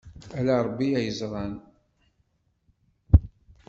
Ala Ṛebbi ay yeẓran.